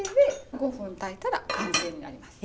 ５分炊いたら完成なんですか？